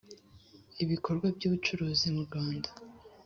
ibikorwa mu by ubucuruzi mu Rwanda